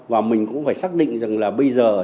và mình cũng phải xác định rằng là bây giờ